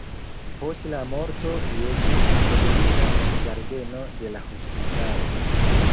Post la morto li estis entombigita en ĝardeno de la hospitalo.